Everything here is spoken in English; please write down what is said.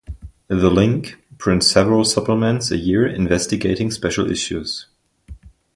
"The Link" prints several supplements a year investigating special issues.